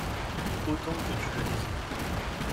Autant que tu le désires.